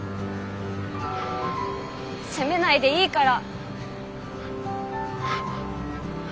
責めないでいいから。